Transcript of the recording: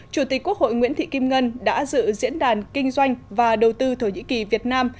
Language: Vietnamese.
chủ tịch quốc hội nguyễn thị kim ngân đã dự diễn đàn kinh doanh và đầu tư thổ nhĩ kỳ việt nam